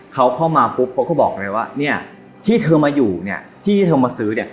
เขาเข้ามาปุ๊บเขาก็บอกเลยว่าเนี่ยที่เธอมาอยู่เนี่ยที่เธอมาซื้อเนี่ย